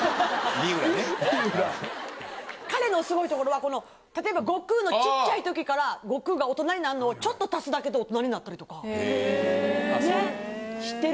見浦彼のすごいところはこの例えば悟空のちっちゃい時から悟空が大人になんのをちょっと足すだけで大人になったりとかへぇねっ！